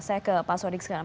saya ke pak sodik sekarang